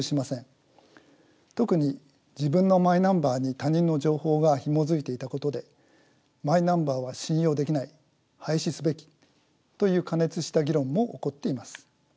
特に自分のマイナンバーに他人の情報がひもづいていたことでマイナンバーは信用できない廃止すべきという過熱した議論も起こっています。